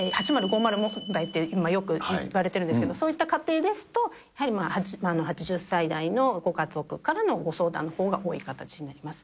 ８０５０問題と、今よくいわれてるんですけど、そういった家庭ですと、やはり８０歳代のご家族からのご相談のほうが多い形になります。